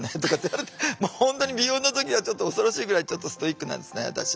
本当に美容の時はちょっと恐ろしいぐらいちょっとストイックなんですね私。